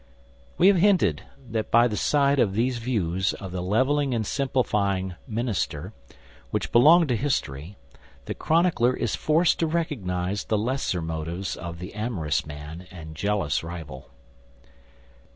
We have hinted that by the side of these views of the leveling and simplifying minister, which belong to history, the chronicler is forced to recognize the lesser motives of the amorous man and jealous rival.